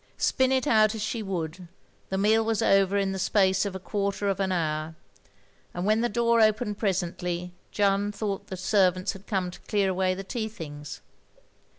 Spin it out as she would, the meal was over in the space of a quarter of an hour; and when the door opened presently, Jeanne thought the servants had come to clear away the tea things.